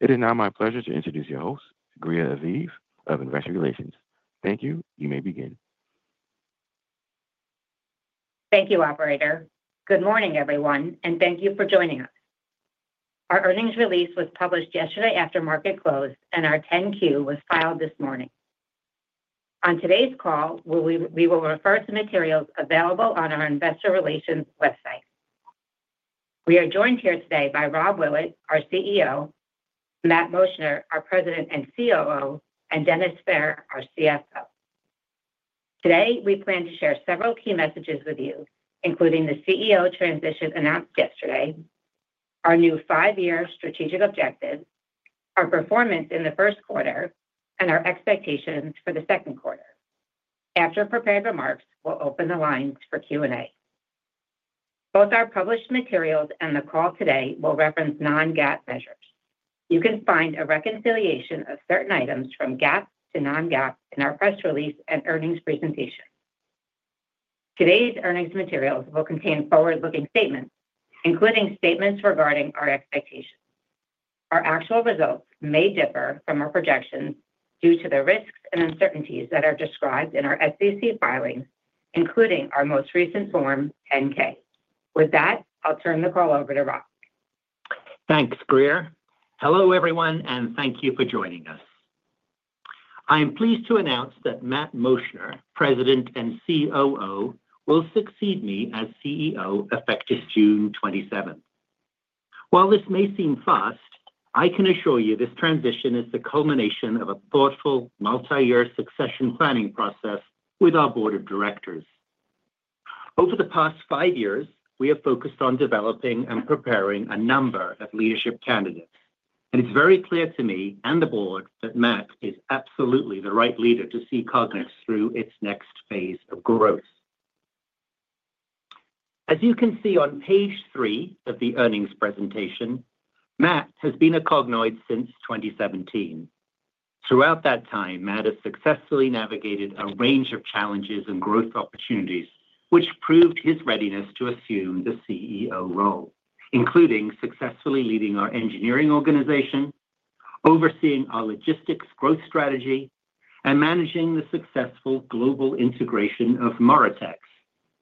It is now my pleasure to introduce your host, Greer Aviv, of Investor Relations. Thank you, you may begin. Thank you, Operator. Good morning, everyone, and thank you for joining us. Our earnings release was published yesterday after market closed, and our 10-Q was filed this morning. On today's call, we will refer to materials available on our Investor Relations website. We are joined here today by Rob Willett, our CEO; Matt Moschner, our President and COO; and Dennis Fehr, our CFO. Today, we plan to share several key messages with you, including the CEO transition announced yesterday, our new five-year strategic objectives, our performance in the first quarter, and our expectations for the second quarter. After prepared remarks, we'll open the lines for Q&A. Both our published materials and the call today will reference non-GAAP measures. You can find a reconciliation of certain items from GAAP to non-GAAP in our press release and earnings presentation. Today's earnings materials will contain forward-looking statements, including statements regarding our expectations. Our actual results may differ from our projections due to the risks and uncertainties that are described in our SEC filings, including our most recent Form 10-K. With that, I'll turn the call over to Rob. Thanks, Greer. Hello, everyone, and thank you for joining us. I am pleased to announce that Matt Moschner, President and COO, will succeed me as CEO effective June 27. While this may seem fast, I can assure you this transition is the culmination of a thoughtful multi-year succession planning process with our board of directors. Over the past five years, we have focused on developing and preparing a number of leadership candidates, and it's very clear to me and the board that Matt is absolutely the right leader to see Cognex through its next phase of growth. As you can see on page three of the earnings presentation, Matt has been a Cognoid since 2017. Throughout that time, Matt has successfully navigated a range of challenges and growth opportunities, which proved his readiness to assume the CEO role, including successfully leading our engineering organization, overseeing our logistics growth strategy, and managing the successful global integration of Moritex,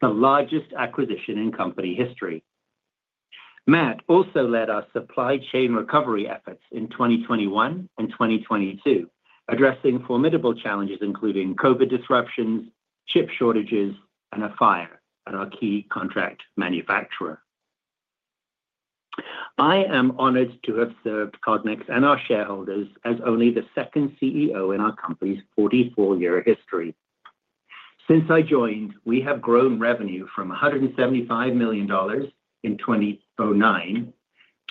the largest acquisition in company history. Matt also led our supply chain recovery efforts in 2021 and 2022, addressing formidable challenges including COVID disruptions, chip shortages, and a fire at our key contract manufacturer. I am honored to have served Cognex and our shareholders as only the second CEO in our company's 44-year history. Since I joined, we have grown revenue from $175 million in 2009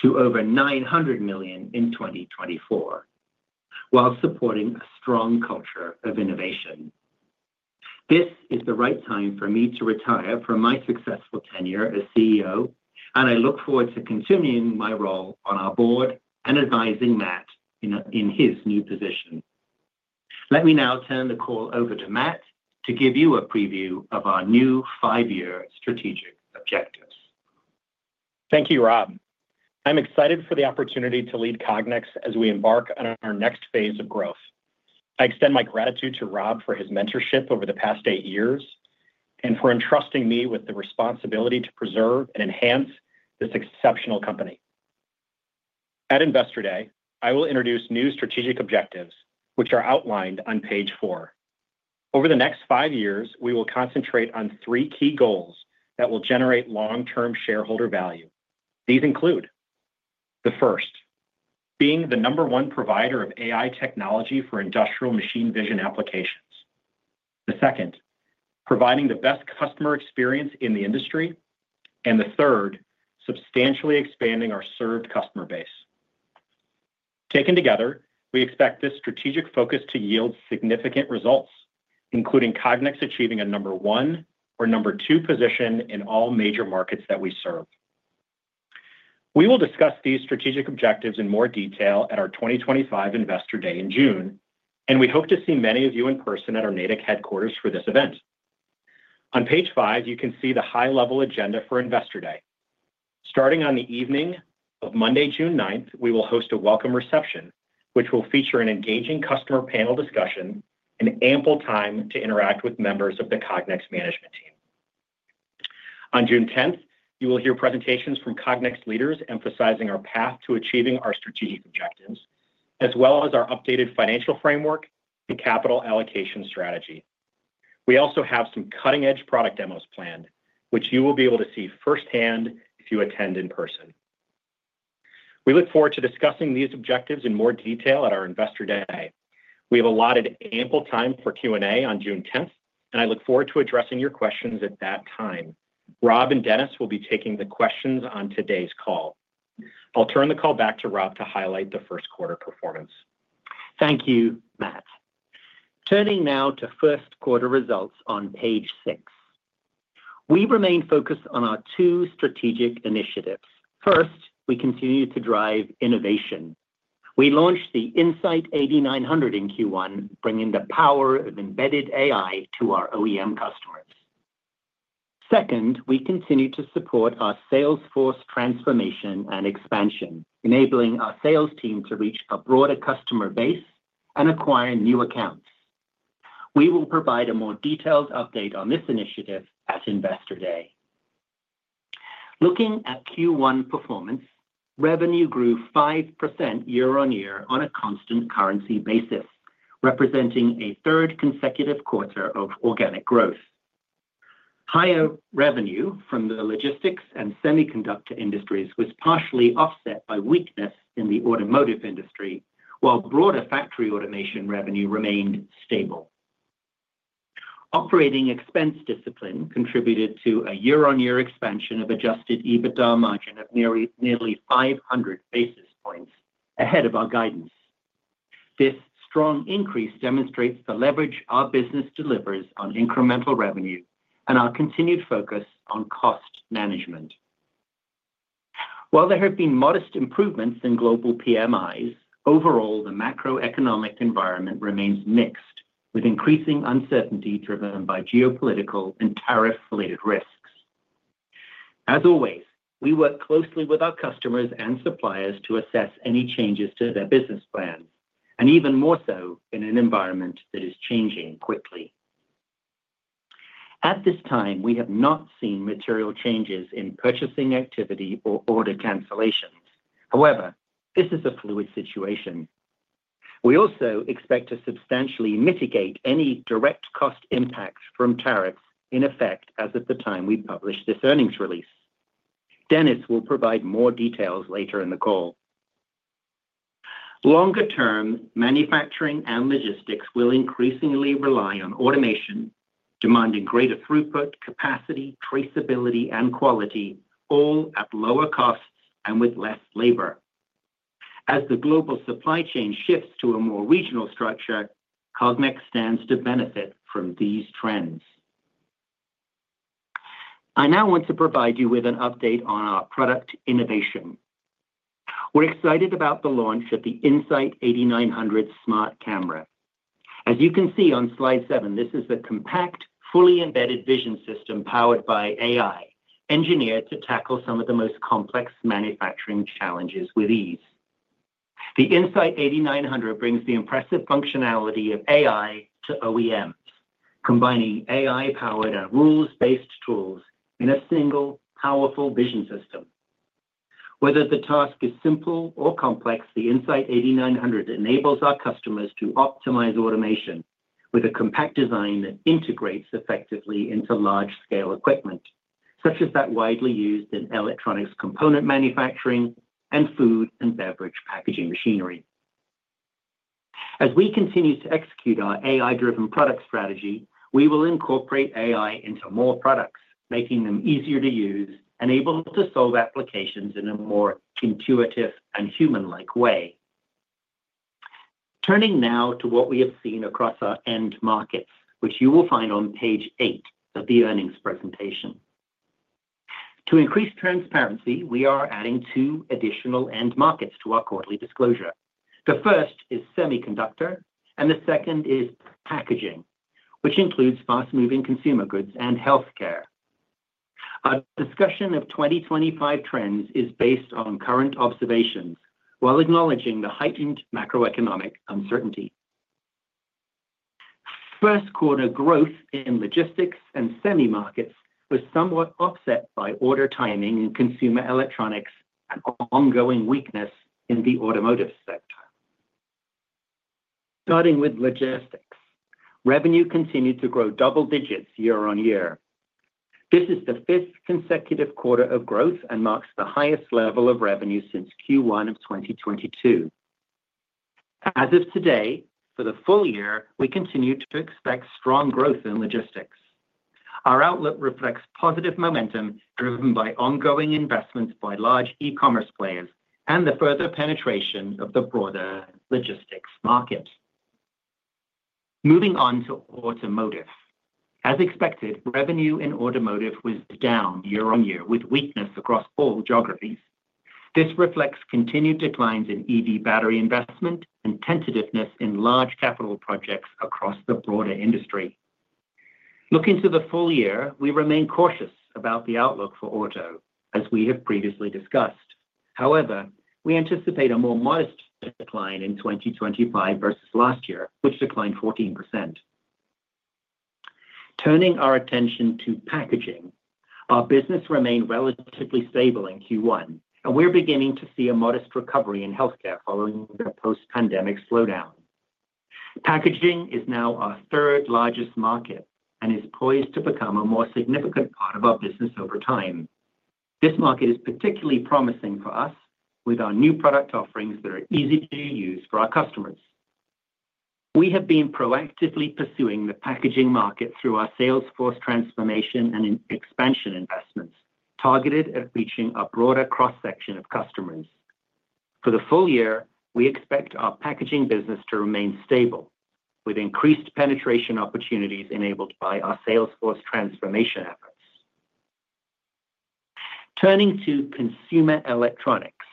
to over $900 million in 2024, while supporting a strong culture of innovation. This is the right time for me to retire from my successful tenure as CEO, and I look forward to continuing my role on our board and advising Matt in his new position. Let me now turn the call over to Matt to give you a preview of our new five-year strategic objectives. Thank you, Rob. I'm excited for the opportunity to lead Cognex as we embark on our next phase of growth. I extend my gratitude to Rob for his mentorship over the past eight years and for entrusting me with the responsibility to preserve and enhance this exceptional company. Investor Day, i will introduce new strategic objectives, which are outlined on page four. Over the next five years, we will concentrate on three key goals that will generate long-term shareholder value. These include: the first, being the number one provider of AI technology for industrial machine vision applications; the second, providing the best customer experience in the industry; and the third, substantially expanding our served customer base. Taken together, we expect this strategic focus to yield significant results, including Cognex achieving a number one or number two position in all major markets that we serve. We will discuss these strategic objectives in more detail at our Investor Day in June, and we hope to see many of you in person at our Natick headquarters for this event. On page five, you can see the high-level agenda Investor Day. starting on the evening of Monday, June 9th, we will host a welcome reception, which will feature an engaging customer panel discussion and ample time to interact with members of the Cognex management team. On June 10, you will hear presentations from Cognex leaders emphasizing our path to achieving our strategic objectives, as well as our updated financial framework and capital allocation strategy. We also have some cutting-edge product demos planned, which you will be able to see firsthand if you attend in person. We look forward to discussing these objectives in more detail at our Investor Day. We have allotted ample time for Q&A on June 10th, and I look forward to addressing your questions at that time. Rob and Dennis will be taking the questions on today's call. I'll turn the call back to Rob to highlight the first quarter performance. Thank you, Matt. Turning now to first quarter results on page six, we remain focused on our two strategic initiatives. First, we continue to drive innovation. We launched the In-Sight 8900 in Q1, bringing the power of embedded AI to our OEM customers. Second, we continue to support our sales force transformation and expansion, enabling our sales team to reach a broader customer base and acquire new accounts. We will provide a more detailed update on this initiative Investor Day. looking at Q1 performance, revenue grew 5% year-on-year on a constant currency basis, representing a third consecutive quarter of organic growth. Higher revenue from the logistics and semiconductor industries was partially offset by weakness in the automotive industry, while broader factory automation revenue remained stable. Operating expense discipline contributed to a year-on-year expansion of adjusted EBITDA margin of nearly 500 basis points ahead of our guidance. This strong increase demonstrates the leverage our business delivers on incremental revenue and our continued focus on cost management. While there have been modest improvements in global PMIs, overall, the macroeconomic environment remains mixed, with increasing uncertainty driven by geopolitical and tariff-related risks. As always, we work closely with our customers and suppliers to assess any changes to their business plans, and even more so in an environment that is changing quickly. At this time, we have not seen material changes in purchasing activity or order cancellations. However, this is a fluid situation. We also expect to substantially mitigate any direct cost impact from tariffs in effect as of the time we publish this earnings release. Dennis will provide more details later in the call. Longer-term manufacturing and logistics will increasingly rely on automation, demanding greater throughput, capacity, traceability, and quality, all at lower costs and with less labor. As the global supply chain shifts to a more regional structure, Cognex stands to benefit from these trends. I now want to provide you with an update on our product innovation. We're excited about the launch of the In-Sight 8900 smart camera. As you can see on slide seven, this is a compact, fully embedded vision system powered by AI, engineered to tackle some of the most complex manufacturing challenges with ease. The In-Sight 8900 brings the impressive functionality of AI to OEMs, combining AI-powered and rules-based tools in a single, powerful vision system. Whether the task is simple or complex, the In-Sight 8900 enables our customers to optimize automation with a compact design that integrates effectively into large-scale equipment, such as that widely used in electronics component manufacturing and food and beverage packaging machinery. As we continue to execute our AI-driven product strategy, we will incorporate AI into more products, making them easier to use and able to solve applications in a more intuitive and human-like way. Turning now to what we have seen across our end markets, which you will find on page eight of the earnings presentation. To increase transparency, we are adding two additional end markets to our quarterly disclosure. The first is semiconductor, and the second is packaging, which includes fast-moving consumer goods and healthcare. Our discussion of 2025 trends is based on current observations while acknowledging the heightened macroeconomic uncertainty. First quarter growth in logistics and semi markets was somewhat offset by order timing in consumer electronics and ongoing weakness in the automotive sector. Starting with logistics, revenue continued to grow double digits year-on-year. This is the fifth consecutive quarter of growth and marks the highest level of revenue since Q1 of 2022. As of today, for the full year, we continue to expect strong growth in logistics. Our outlook reflects positive momentum driven by ongoing investments by large e-commerce players and the further penetration of the broader logistics market. Moving on to automotive, as expected, revenue in automotive was down year-on-year with weakness across all geographies. This reflects continued declines in EV battery investment and tentativeness in large capital projects across the broader industry. Looking to the full year, we remain cautious about the outlook for auto, as we have previously discussed. However, we anticipate a more modest decline in 2025 versus last year, which declined 14%. Turning our attention to packaging, our business remained relatively stable in Q1, and we're beginning to see a modest recovery in healthcare following the post-pandemic slowdown. Packaging is now our third largest market and is poised to become a more significant part of our business over time. This market is particularly promising for us with our new product offerings that are easy to use for our customers. We have been proactively pursuing the packaging market through our sales force transformation and expansion investments targeted at reaching a broader cross-section of customers. For the full year, we expect our packaging business to remain stable, with increased penetration opportunities enabled by our sales force transformation efforts. Turning to consumer electronics,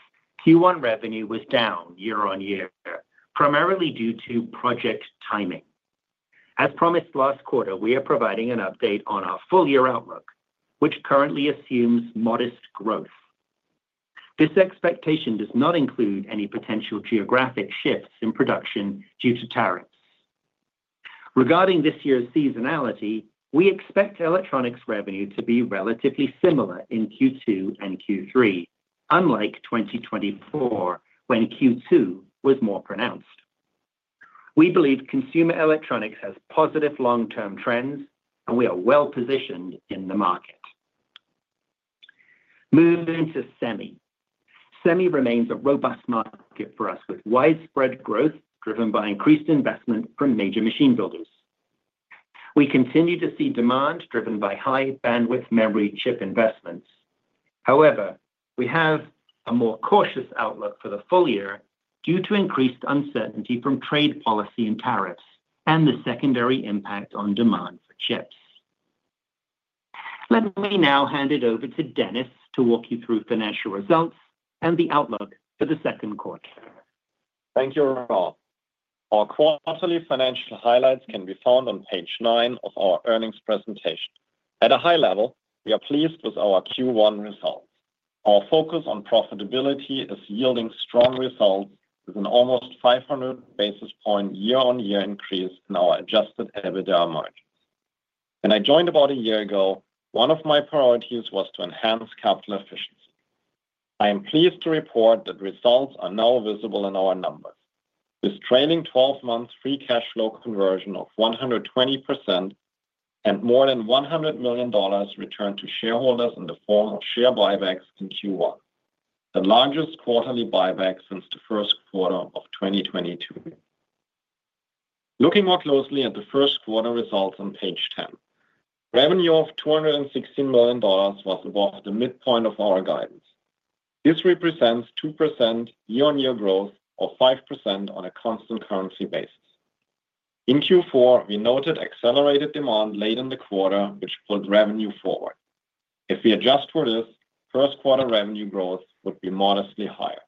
Q1 revenue was down year-on-year, primarily due to project timing. As promised last quarter, we are providing an update on our full-year outlook, which currently assumes modest growth. This expectation does not include any potential geographic shifts in production due to tariffs. Regarding this year's seasonality, we expect electronics revenue to be relatively similar in Q2 and Q3, unlike 2024 when Q2 was more pronounced. We believe consumer electronics has positive long-term trends, and we are well-positioned in the market. Moving to semi, semi remains a robust market for us with widespread growth driven by increased investment from major machine builders. We continue to see demand driven by high-bandwidth memory chip investments. However, we have a more cautious outlook for the full year due to increased uncertainty from trade policy and tariffs and the secondary impact on demand for chips. Let me now hand it over to Dennis to walk you through financial results and the outlook for the second quarter. Thank you, Rob. Our quarterly financial highlights can be found on page nine of our earnings presentation. At a high level, we are pleased with our Q1 results. Our focus on profitability is yielding strong results with an almost 500 basis point year-on-year increase in our adjusted EBITDA margins. When I joined about a year ago, one of my priorities was to enhance capital efficiency. I am pleased to report that results are now visible in our numbers. With trailing 12 months free cash flow conversion of 120% and more than $100 million returned to shareholders in the form of share buybacks in Q1, the largest quarterly buyback since the first quarter of 2022. Looking more closely at the first quarter results on page 10, revenue of $216 million was above the midpoint of our guidance. This represents 2% year-on-year growth or 5% on a constant currency basis. In Q4, we noted accelerated demand late in the quarter, which pulled revenue forward. If we adjust for this, first quarter revenue growth would be modestly higher.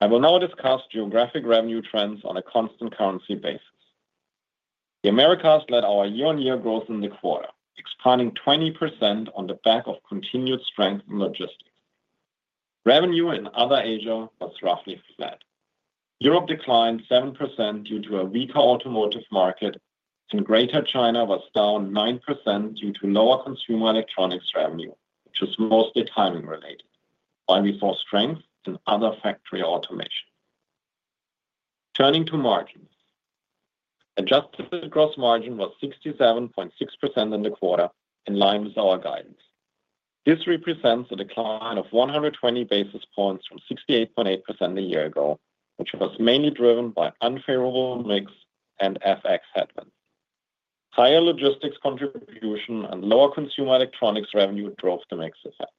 I will now discuss geographic revenue trends on a constant currency basis. The Americas led our year-on-year growth in the quarter, expanding 20% on the back of continued strength in logistics. Revenue in other Asia was roughly flat. Europe declined 7% due to a weaker automotive market, and Greater China was down 9% due to lower consumer electronics revenue, which was mostly timing related, while we saw strength in other factory automation. Turning to margins, adjusted gross margin was 67.6% in the quarter, in line with our guidance. This represents a decline of 120 basis points from 68.8% a year ago, which was mainly driven by unfavorable mix and FX headwinds. Higher logistics contribution and lower consumer electronics revenue drove the mix effect.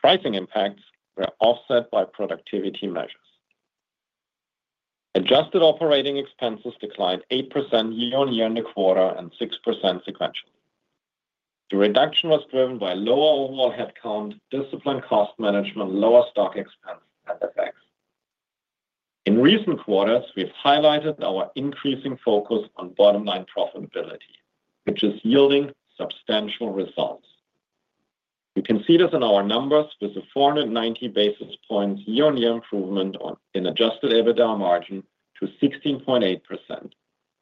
Pricing impacts were offset by productivity measures. Adjusted operating expenses declined 8% year-on-year in the quarter and 6% sequentially. The reduction was driven by lower overall headcount, disciplined cost management, lower stock expense, and FX. In recent quarters, we have highlighted our increasing focus on bottom-line profitability, which is yielding substantial results. You can see this in our numbers with a 490 basis points year-on-year improvement in adjusted EBITDA margin to 16.8%,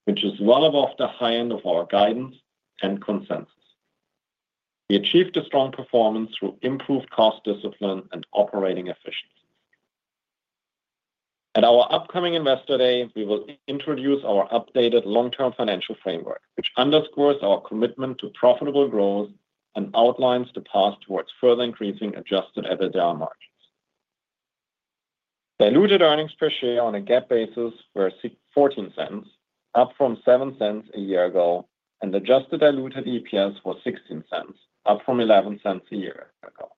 which is well above the high end of our guidance and consensus. We achieved a strong performance through improved cost discipline and operating efficiency. At our Investor Day, we will introduce our updated long-term financial framework, which underscores our commitment to profitable growth and outlines the path towards further increasing adjusted EBITDA margins. Diluted earnings per share on a GAAP basis were $0.14, up from $0.07 a year ago, and adjusted diluted EPS was $0.16, up from $0.11 a year ago.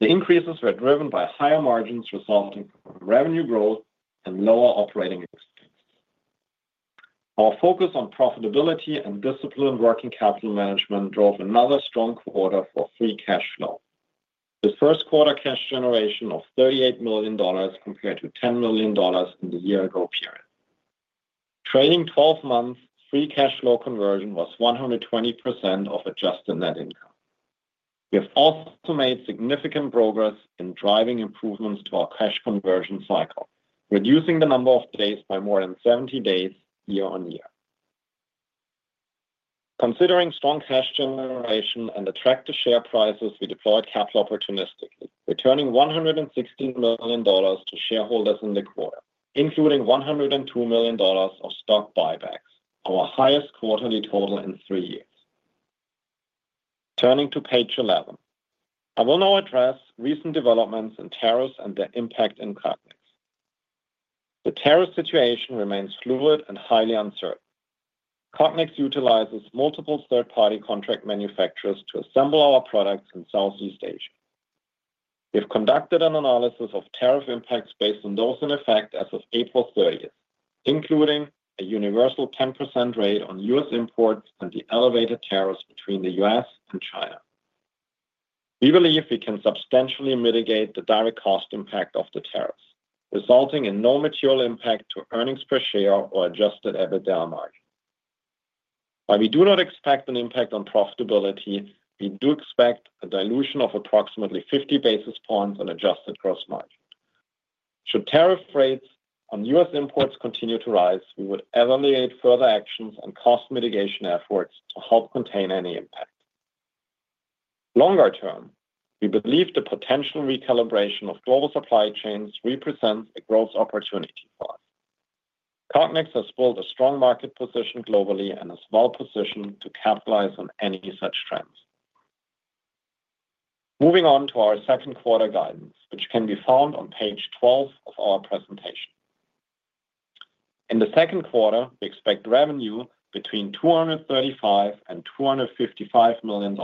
The increases were driven by higher margins resulting from revenue growth and lower operating expenses. Our focus on profitability and disciplined working capital management drove another strong quarter for free cash flow, with first quarter cash generation of $38 million compared to $10 million in the year-ago period. Trailing 12 months, free cash flow conversion was 120% of adjusted net income. We have also made significant progress in driving improvements to our cash conversion cycle, reducing the number of days by more than 70 days year-on-year. Considering strong cash generation and attractive share prices, we deployed capital opportunistically, returning $116 million to shareholders in the quarter, including $102 million of stock buybacks, our highest quarterly total in three years. Turning to page 11, I will now address recent developments in tariffs and their impact in Cognex. The tariff situation remains fluid and highly uncertain. Cognex utilizes multiple third-party contract manufacturers to assemble our products in Southeast Asia. We have conducted an analysis of tariff impacts based on those in effect as of April 30, including a universal 10% rate on U.S. imports and the elevated tariffs between the U.S. and China. We believe we can substantially mitigate the direct cost impact of the tariffs, resulting in no material impact to earnings per share or adjusted EBITDA margin. While we do not expect an impact on profitability, we do expect a dilution of approximately 50 basis points on adjusted gross margin. Should tariff rates on U.S. imports continue to rise, we would evaluate further actions and cost mitigation efforts to help contain any impact. Longer term, we believe the potential recalibration of global supply chains represents a growth opportunity for us. Cognex has built a strong market position globally and a small position to capitalize on any such trends. Moving on to our second quarter guidance, which can be found on page 12 of our presentation. In the second quarter, we expect revenue between $235 million and $255 million.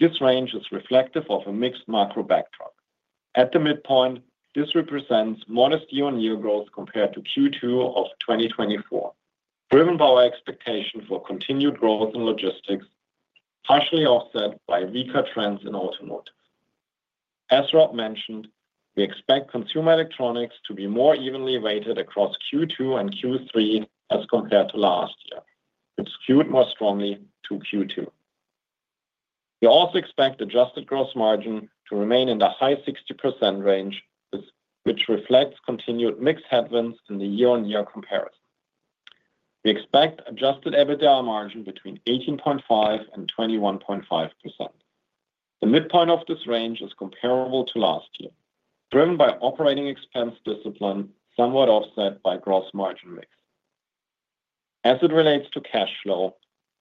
This range is reflective of a mixed macro backdrop. At the midpoint, this represents modest year-on-year growth compared to Q2 of 2024, driven by our expectation for continued growth in logistics, partially offset by weaker trends in automotive. As Rob mentioned, we expect consumer electronics to be more evenly weighted across Q2 and Q3 as compared to last year, which skewed more strongly to Q2. We also expect adjusted gross margin to remain in the high 60% range, which reflects continued mixed headwinds in the year-on-year comparison. We expect adjusted EBITDA margin between 18.5% and 21.5%. The midpoint of this range is comparable to last year, driven by operating expense discipline, somewhat offset by gross margin mix. As it relates to cash flow,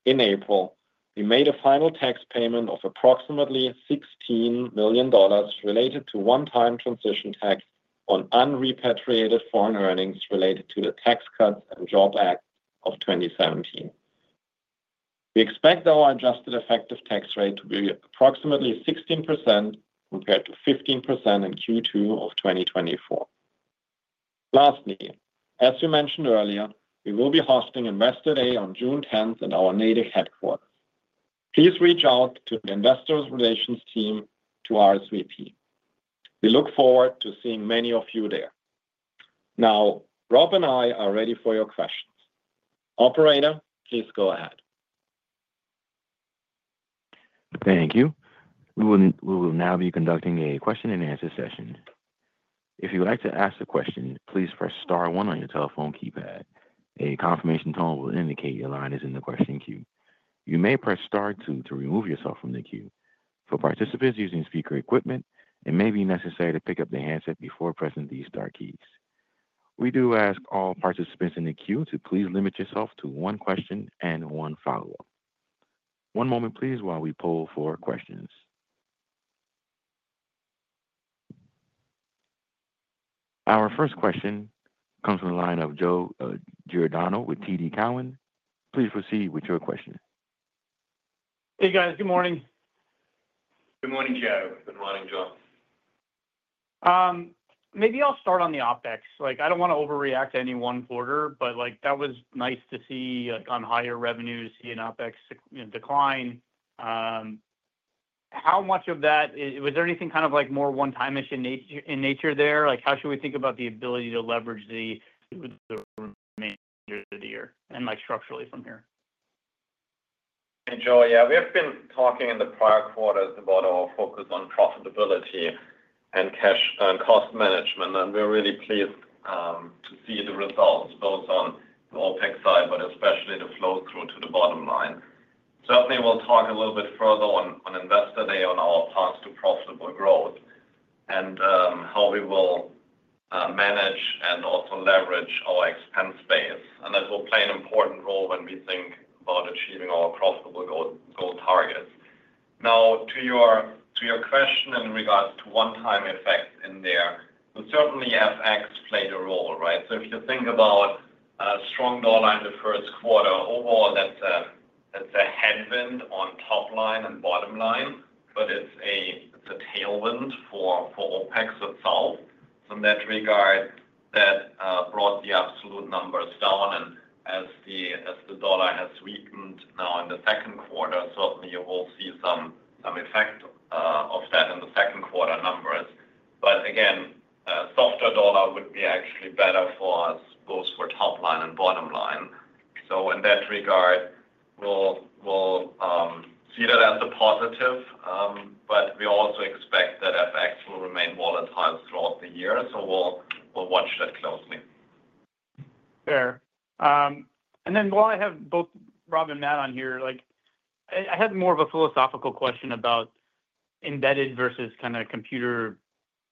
in April, we made a final tax payment of approximately $16 million related to one-time transition tax on unrepatriated foreign earnings related to the Tax Cuts and Jobs Act of 2017. We expect our adjusted effective tax rate to be approximately 16% compared to 15% in Q2 of 2024. Lastly, as we mentioned earlier, we will be Investor Day on June 10 at our Natick headquarters. Please reach out to the Investor Relations team to RSVP. We look forward to seeing many of you there. Now, Rob and I are ready for your questions. Operator, please go ahead. Thank you. We will now be conducting a question-and-answer session. If you'd like to ask a question, please press star one on your telephone keypad. A confirmation tone will indicate your line is in the question queue. You may press star two to remove yourself from the queue. For participants using speaker equipment, it may be necessary to pick up the handset before pressing these star keys. We do ask all participants in the queue to please limit yourself to one question and one follow-up. One moment, please, while we pull for questions. Our first question comes from the line of Joe Giordano with TD Cowen. Please proceed with your question. Hey, guys. Good morning. Good morning, Joe. Good morning, Joe. Maybe I'll start on the OpEx. I don't want to overreact to any one quarter, but that was nice to see on higher revenues see an OpEx decline. How much of that was there anything kind of more one-time-ish in nature there? How should we think about the ability to leverage the the remainder of the year and structurally from here? Hey, Joe. Yeah, we have been talking in the prior quarters about our focus on profitability and cost management, and we're really pleased to see the results, both on the OpEx side, but especially the flow through to the bottom line. Certainly, we'll talk a little bit further Investor Day on our path to profitable growth and how we will manage and also leverage our expense base. That will play an important role when we think about achieving our profitable goal targets. Now, to your question in regards to one-time effects in there, certainly FX played a role, right? If you think about a strong dollar in the first quarter, overall, that's a headwind on top line and bottom line, but it's a tailwind for OpEx itself. In that regard, that brought the absolute numbers down. As the dollar has weakened now in the second quarter, certainly you will see some effect of that in the second quarter numbers. Again, a softer dollar would be actually better for us, both for top line and bottom line. In that regard, we'll see that as a positive, but we also expect that FX will remain volatile throughout the year. We'll watch that closely. Fair. While I have both Rob and Matt on here, I had more of a philosophical question about embedded versus kind of computer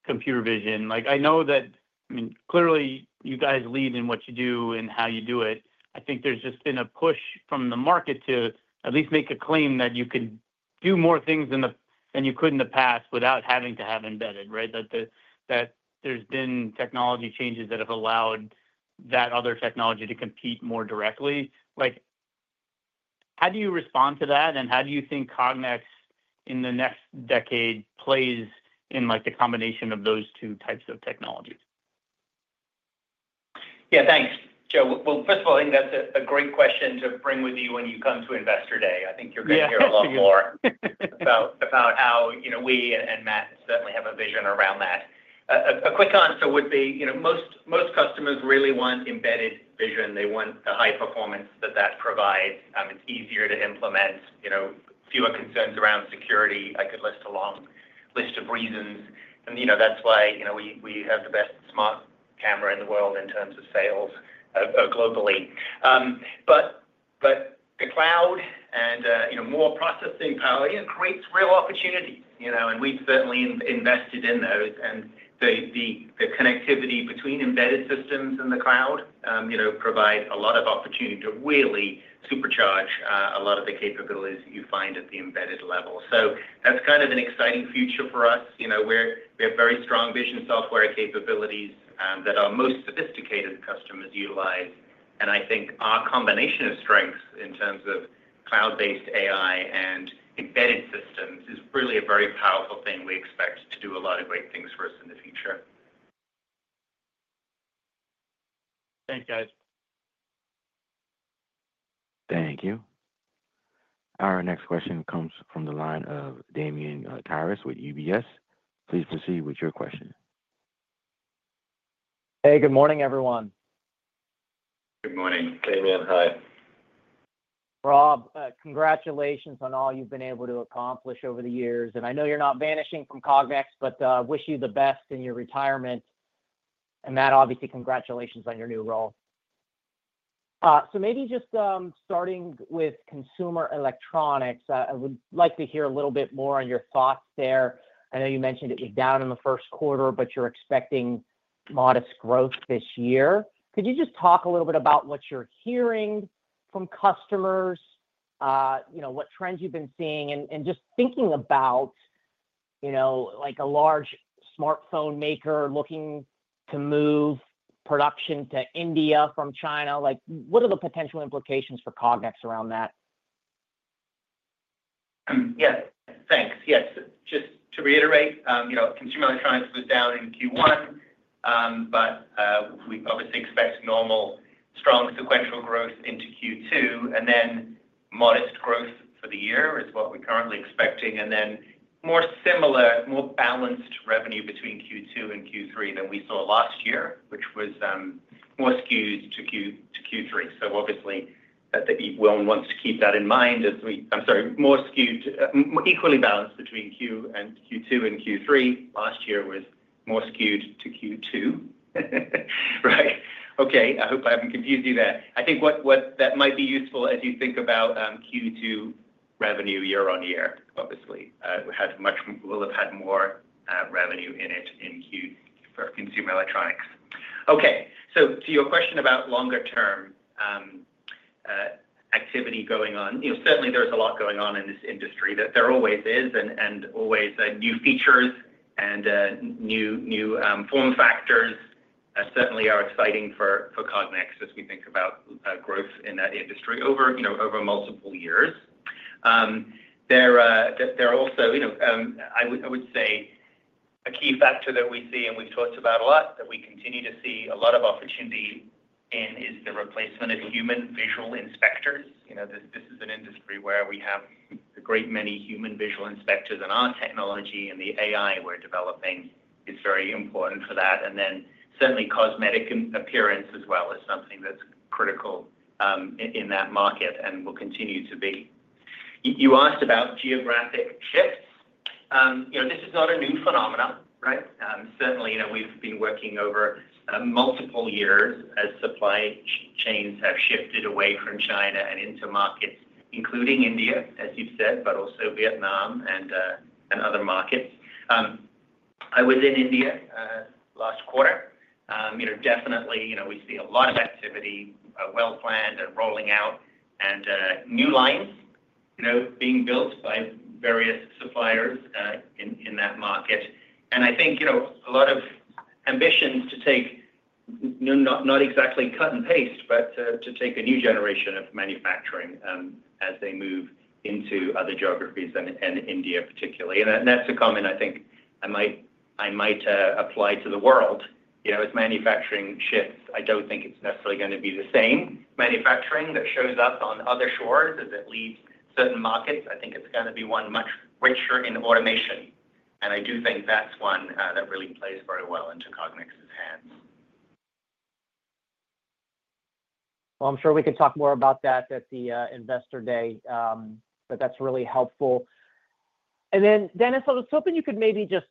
vision. I know that, I mean, clearly, you guys lead in what you do and how you do it. I think there's just been a push from the market to at least make a claim that you could do more things than you could in the past without having to have embedded, right? That there's been technology changes that have allowed that other technology to compete more directly. How do you respond to that, and how do you think Cognex in the next decade plays in the combination of those two types of technologies? Yeah, thanks, Joe. First of all, I think that's a great question to bring with you when you come Investor Day. i think you're going to hear a lot more about how we and Matt certainly have a vision around that. A quick answer would be most customers really want embedded vision. They want the high performance that that provides. It's easier to implement. Fewer concerns around security. I could list a long list of reasons. That's why we have the best smart camera in the world in terms of sales globally. The cloud and more processing power creates real opportunities. We've certainly invested in those. The connectivity between embedded systems and the cloud provides a lot of opportunity to really supercharge a lot of the capabilities you find at the embedded level. That's kind of an exciting future for us. We have very strong vision software capabilities that our most sophisticated customers utilize. I think our combination of strengths in terms of cloud-based AI and embedded systems is really a very powerful thing. We expect to do a lot of great things for us in the future. Thanks, guys. Thank you. Our next question comes from the line of Damian Karas with UBS. Please proceed with your question. Hey, good morning, everyone. Good morning. Damian, hi. Rob, congratulations on all you've been able to accomplish over the years. I know you're not vanishing from Cognex, but I wish you the best in your retirement. Matt, obviously, congratulations on your new role. Maybe just starting with consumer electronics, I would like to hear a little bit more on your thoughts there. I know you mentioned it was down in the first quarter, but you're expecting modest growth this year. Could you just talk a little bit about what you're hearing from customers, what trends you've been seeing, and just thinking about a large smartphone maker looking to move production to India from China? What are the potential implications for Cognex around that? Yes, thanks. Yes. Just to reiterate, consumer electronics was down in Q1, but we obviously expect normal, strong sequential growth into Q2. And then modest growth for the year is what we're currently expecting. Then more similar, more balanced revenue between Q2 and Q3 than we saw last year, which was more skewed to Q3. Obviously, everyone wants to keep that in mind. I'm sorry, more skewed, equally balanced between Q2 and Q3. Last year was more skewed to Q2. Right. Okay. I hope I haven't confused you there. I think that might be useful as you think about Q2 revenue year-on-year, obviously. We'll have had more revenue in it for consumer electronics. Okay. To your question about longer-term activity going on, certainly there's a lot going on in this industry. There always is and always new features and new form factors certainly are exciting for Cognex as we think about growth in that industry over multiple years. There are also, I would say, a key factor that we see, and we've talked about a lot, that we continue to see a lot of opportunity in is the replacement of human visual inspectors. This is an industry where we have a great many human visual inspectors, and our technology and the AI we're developing is very important for that. Cosmetic appearance as well is something that's critical in that market and will continue to be. You asked about geographic shifts. This is not a new phenomenon, right? Certainly, we've been working over multiple years as supply chains have shifted away from China and into markets, including India, as you've said, but also Vietnam and other markets. I was in India last quarter. Definitely, we see a lot of activity well-planned and rolling out and new lines being built by various suppliers in that market. I think a lot of ambitions to take not exactly cut and paste, but to take a new generation of manufacturing as they move into other geographies and India, particularly. That is a comment I think I might apply to the world. With manufacturing shifts, I do not think it is necessarily going to be the same. Manufacturing that shows up on other shores as it leaves certain markets, I think it is going to be one much richer in automation. I do think that is one that really plays very well into Cognex's hands. I'm sure we can talk more about that at Investor Day, but that's really helpful. Dennis, I was hoping you could maybe just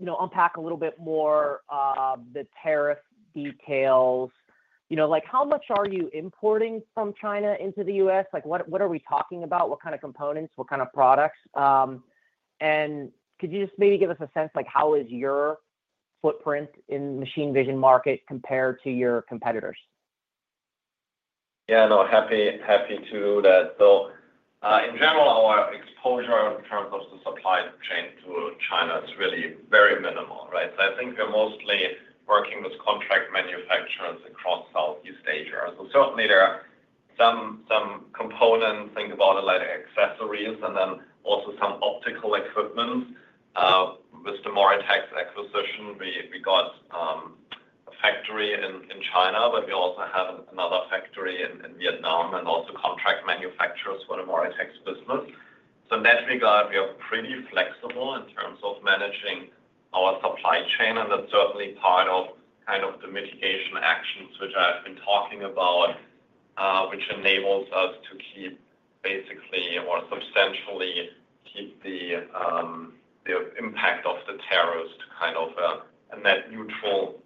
unpack a little bit more the tariff details. How much are you importing from China into the U.S.? What are we talking about? What kind of components? What kind of products? Could you just maybe give us a sense of how is your footprint in the machine vision market compared to your competitors? Yeah, no, happy to do that. In general, our exposure in terms of the supply chain to China is really very minimal, right? I think we're mostly working with contract manufacturers across Southeast Asia. Certainly, there are some components, think about it like accessories, and then also some optical equipment. With the Moritex acquisition, we got a factory in China, but we also have another factory in Vietnam and also contract manufacturers for the Moritex business. In that regard, we are pretty flexible in terms of managing our supply chain. That's certainly part of kind of the mitigation actions which I've been talking about, which enables us to keep basically or substantially keep the impact of the tariffs to kind of a net neutral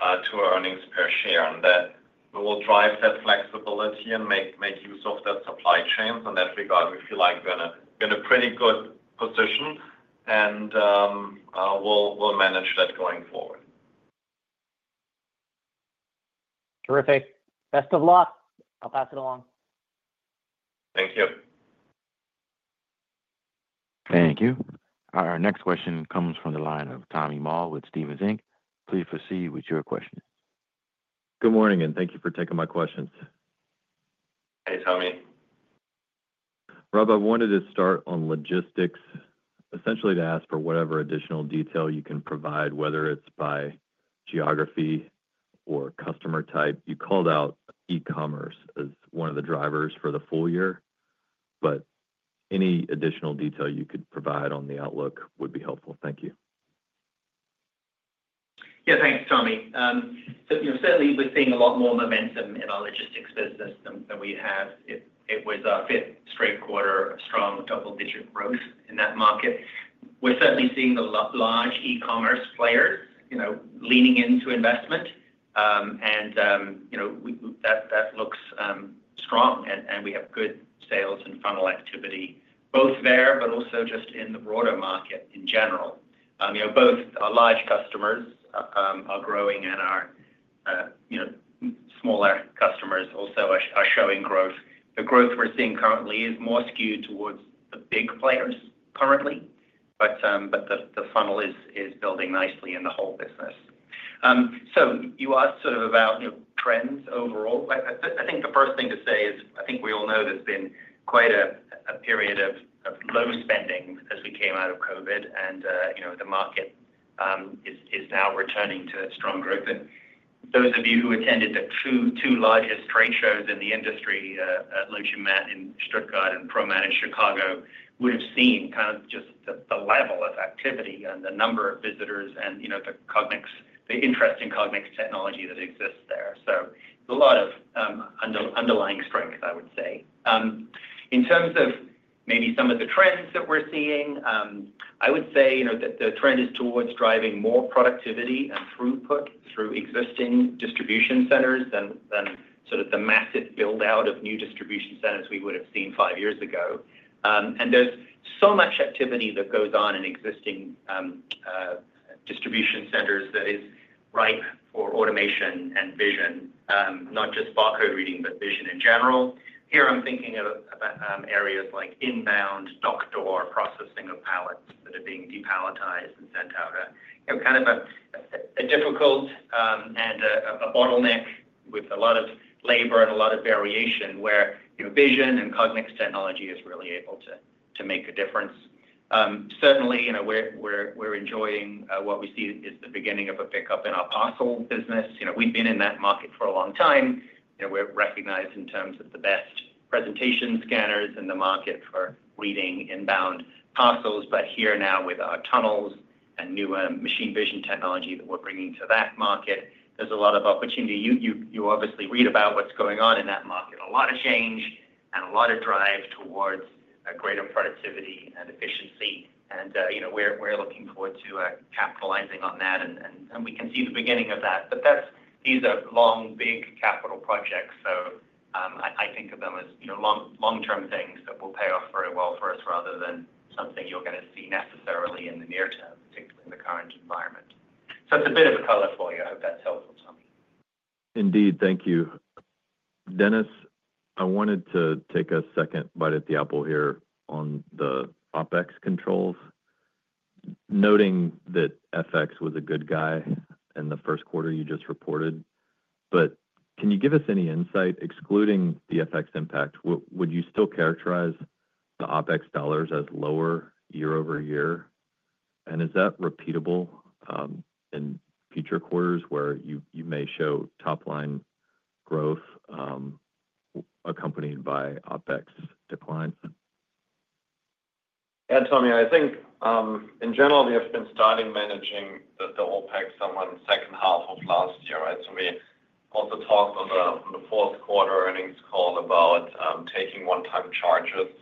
to earnings per share. That will drive that flexibility and make use of that supply chain. In that regard, we feel like we're in a pretty good position, and we'll manage that going forward. Terrific. Best of luck. I'll pass it along. Thank you. Thank you. Our next question comes from the line of Tommy Moll with Stephens Inc. Please proceed with your question. Good morning, and thank you for taking my questions. Hey, Tommy. Rob, I wanted to start on logistics, essentially to ask for whatever additional detail you can provide, whether it's by geography or customer type. You called out e-commerce as one of the drivers for the full year, but any additional detail you could provide on the outlook would be helpful. Thank you. Yeah, thanks, Tommy. Certainly, we're seeing a lot more momentum in our logistics business than we had. It was our fifth straight quarter, a strong double-digit growth in that market. We're certainly seeing the large e-commerce players leaning into investment, and that looks strong. We have good sales and funnel activity both there, but also just in the broader market in general. Both our large customers are growing, and our smaller customers also are showing growth. The growth we're seeing currently is more skewed towards the big players currently, but the funnel is building nicely in the whole business. You asked sort of about trends overall. I think the first thing to say is I think we all know there's been quite a period of low spending as we came out of COVID, and the market is now returning to strong growth. Those of you who attended the two largest trade shows in the industry, LogiMAT in Stuttgart and ProMat in Chicago, would have seen kind of just the level of activity and the number of visitors and the interest in Cognex technology that exists there. A lot of underlying strength, I would say. In terms of maybe some of the trends that we're seeing, I would say that the trend is towards driving more productivity and throughput through existing distribution centers than sort of the massive build-out of new distribution centers we would have seen five years ago. There is so much activity that goes on in existing distribution centers that is ripe for automation and vision, not just barcode reading, but vision in general. Here, I'm thinking of areas like inbound, docked door processing of pallets that are being depalletized and sent out. Kind of a difficult and a bottleneck with a lot of labor and a lot of variation where vision and Cognex technology is really able to make a difference. Certainly, we're enjoying what we see is the beginning of a pickup in our parcel business. We've been in that market for a long time. We're recognized in terms of the best presentation scanners in the market for reading inbound parcels. Here now, with our tunnels and new machine vision technology that we're bringing to that market, there's a lot of opportunity. You obviously read about what's going on in that market. A lot of change and a lot of drive towards greater productivity and efficiency. We're looking forward to capitalizing on that, and we can see the beginning of that. These are long, big capital projects. I think of them as long-term things that will pay off very well for us rather than something you're going to see necessarily in the near term, particularly in the current environment. It's a bit of a colorful area. I hope that's helpful, Tommy. Indeed. Thank you. Dennis, I wanted to take a second bite at the apple here on the OpEx controls, noting that FX was a good guy in the first quarter you just reported. Can you give us any insight? Excluding the FX impact, would you still characterize the OpEx dollars as lower year-over-year? Is that repeatable in future quarters where you may show top-line growth accompanied by OpEx declines? Yeah, Tommy, I think in general, we have been starting managing the OpEx somewhere in the second half of last year, right? We also talked on the fourth quarter earnings call about taking one-time charges,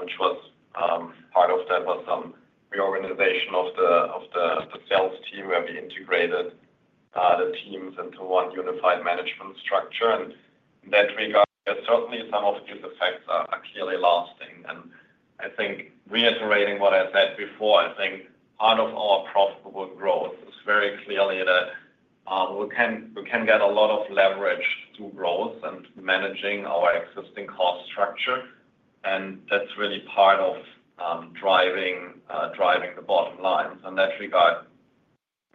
which was part of that was some reorganization of the sales team where we integrated the teams into one unified management structure. In that regard, certainly some of these effects are clearly lasting. I think reiterating what I said before, I think part of our profitable growth is very clearly that we can get a lot of leverage through growth and managing our existing cost structure. That is really part of driving the bottom line. In that regard,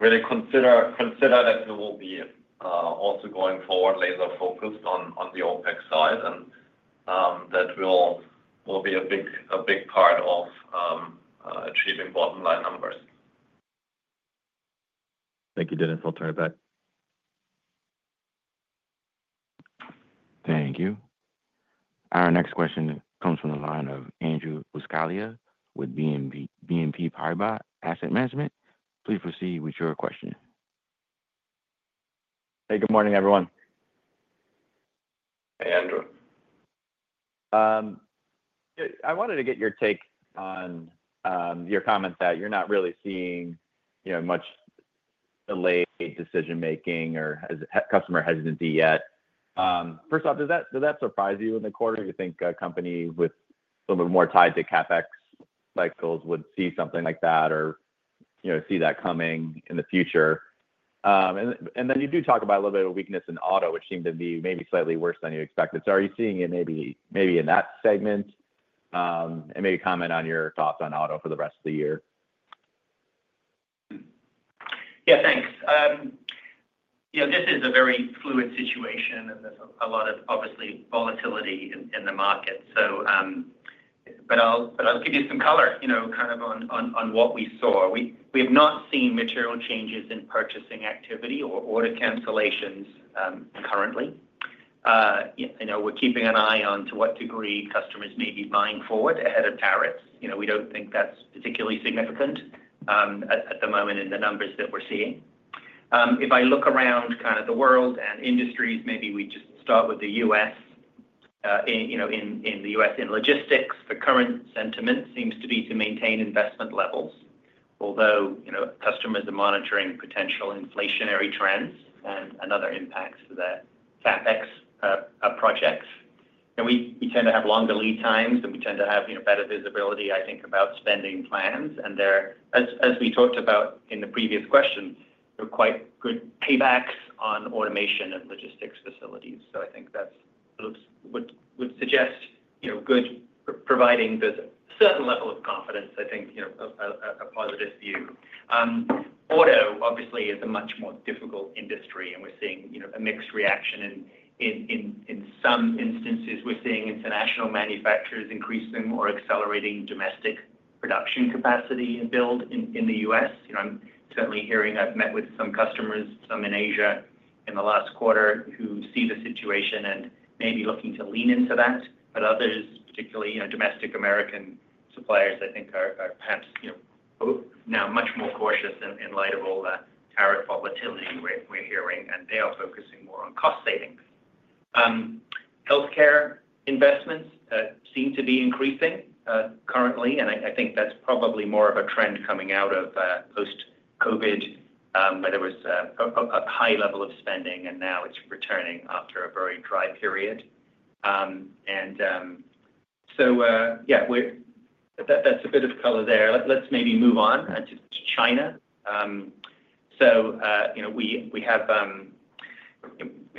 really consider that we will be also going forward laser-focused on the OpEx side, and that will be a big part of achieving bottom-line numbers. Thank you, Dennis. I'll turn it back. Thank you. Our next question comes from the line of Andrew Buscaglia with BNP Paribas Asset Management. Please proceed with your question. Hey, good morning, everyone. Hey, Andrew. I wanted to get your take on your comment that you're not really seeing much delayed decision-making or customer hesitancy yet. First off, does that surprise you in the quarter? You think a company with a little bit more tied to CapEx cycles would see something like that or see that coming in the future? You do talk about a little bit of weakness in auto, which seemed to be maybe slightly worse than you expected. Are you seeing it maybe in that segment? Maybe comment on your thoughts on auto for the rest of the year. Yeah, thanks. This is a very fluid situation, and there's a lot of obviously volatility in the market. I’ll give you some color kind of on what we saw. We have not seen material changes in purchasing activity or order cancellations currently. We're keeping an eye on to what degree customers may be buying forward ahead of tariffs. We don't think that's particularly significant at the moment in the numbers that we're seeing. If I look around kind of the world and industries, maybe we just start with the U.S. In the U.S., in logistics, the current sentiment seems to be to maintain investment levels, although customers are monitoring potential inflationary trends and other impacts to the CapEx projects. We tend to have longer lead times, and we tend to have better visibility, I think, about spending plans. As we talked about in the previous question, quite good paybacks on automation and logistics facilities. I think that would suggest providing a certain level of confidence, I think, a positive view. Auto, obviously, is a much more difficult industry, and we're seeing a mixed reaction. In some instances, we're seeing international manufacturers increasing or accelerating domestic production capacity and build in the U.S. I'm certainly hearing I have met with some customers, some in Asia in the last quarter, who see the situation and may be looking to lean into that. Others, particularly domestic American suppliers, I think are perhaps now much more cautious in light of all the tariff volatility we're hearing, and they are focusing more on cost savings. Healthcare investments seem to be increasing currently, and I think that's probably more of a trend coming out of post-COVID, where there was a high level of spending, and now it's returning after a very dry period. Yeah, that's a bit of color there. Let's maybe move on to China. We